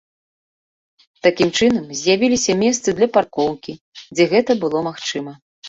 Такім чынам з'явіліся месцы для паркоўкі, дзе гэта было магчыма.